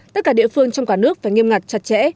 tất cả địa phương trong cả nước phải nghiêm ngặt chặt chẽ